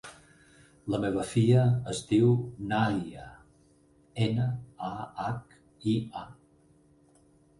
La meva filla es diu Nahia: ena, a, hac, i, a.